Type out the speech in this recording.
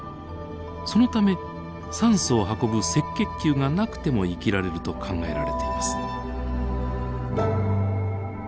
そのため酸素を運ぶ赤血球がなくても生きられると考えられています。